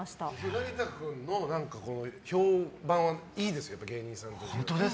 成田君の評判はやっぱりいいですよ、芸人さんで。